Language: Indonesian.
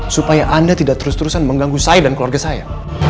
supaya anda tidak terus terusan mengganggu saya dan keluarga saya